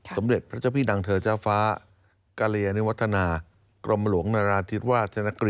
สมดิตพระเจ้าพี่หนังเธอเจ้าฟ้ากาเลยนิวัฒนากรมหลวงรราธิวาสเจ้านักกลิล